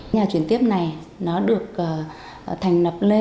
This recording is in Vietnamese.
nhà chuyển tiếp này nó được thành lập lên